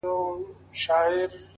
لپی لپی یې لا ورکړل غیرانونه٫